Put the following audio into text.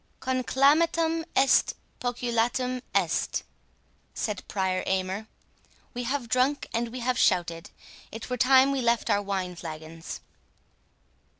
"'Conclamatum est, poculatum est'," said Prior Aymer; "we have drunk and we have shouted,—it were time we left our wine flagons."